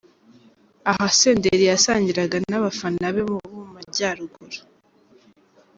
Aha Senderi yasangiraga n’abafana be bo mu majyaruguru.